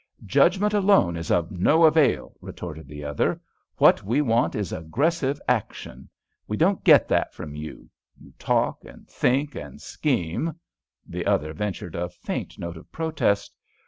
"Judgment alone is of no avail," retorted the other. "What we want is aggressive action. We don't get that from you—you talk, and think, and scheme——" The other ventured a faint note of protest.